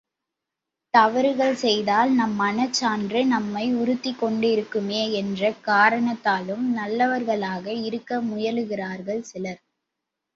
தவறுகள் செய்தால் நம் மனச்சான்று நம்மை உறுத்திக் கொண்டிருக்குமே என்ற காரணத்தாலும் நல்லவர்களாக இருக்க முயலுகிறார்கள் சிலர்.